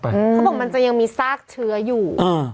เขาบอกมันจะยังมีซากเชื้ออยู่